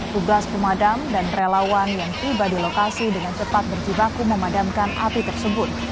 tugas pemadam dan relawan yang tiba di lokasi dengan cepat berjibaku memadamkan api tersebut